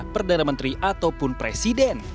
perdana menteri ataupun presiden